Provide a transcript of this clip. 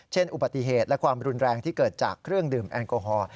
อุบัติเหตุและความรุนแรงที่เกิดจากเครื่องดื่มแอลกอฮอล์